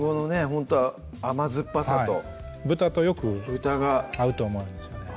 ほんと甘酸っぱさと豚とよく合うと思うんですよね